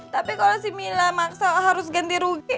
tapi kalau si mila maksa harus ganti rugi